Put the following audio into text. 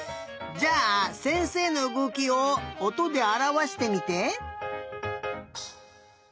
じゃあせんせいのうごきをおとであらわしてみて。